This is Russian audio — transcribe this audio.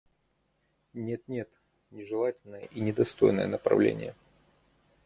Нет, нет, нежелательное и недостойное направление…